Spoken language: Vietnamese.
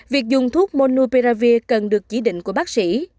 việc dùng thuốc monuperavir cần được chỉ định của bác sĩ